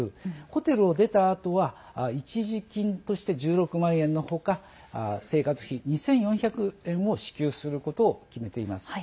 ホテルを出たあとは一時金として１６万円のほか生活費２４００円を支給することを決めています。